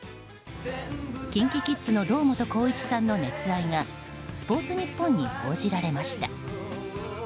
ＫｉｎＫｉＫｉｄｓの堂本光一さんの熱愛がスポーツニッポンに報じられました。